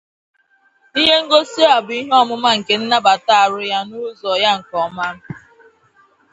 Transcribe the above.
Ihe ngosi a bu ihe omuma nke nabata aru ya na uzo ya nke oma.